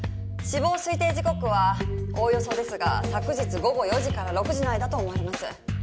死亡推定時刻はおおよそですが昨日午後４時から６時の間と思われます。